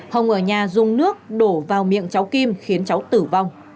hồng ở nhà dùng nước đổ vào miệng cháu kim khiến cháu tử vong